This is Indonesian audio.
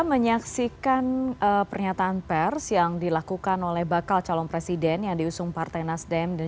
menyaksikan pernyataan pers yang dilakukan oleh bakal calon presiden yang diusung partai nasdem